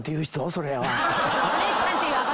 それは。